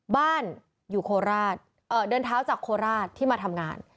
บ้านอยู่โคราชเดินเท้าจากโคราชที่มาทำงาน